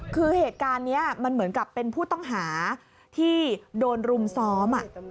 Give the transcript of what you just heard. คือเหตุการณ์นี้มันเหมือนกับเป็นผู้ต้องหาที่โดนรุมซ้อม